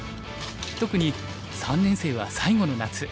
特に３年生は最後の夏。